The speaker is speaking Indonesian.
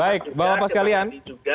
baik bapak bapak sekalian